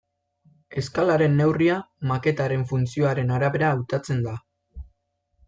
Eskalaren neurria maketaren funtzioaren arabera hautatzen da.